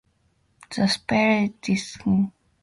The spelling distinguishes it from the homophonic noun "king".